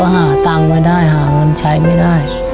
หาตังค์ไม่ได้หาเงินใช้ไม่ได้